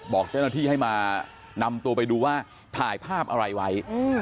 บอกเจ้าหน้าที่ให้มานำตัวไปดูว่าถ่ายภาพอะไรไว้